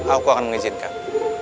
aku akan mengizinkan